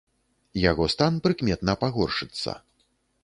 Яго стан прыкметна пагоршыцца.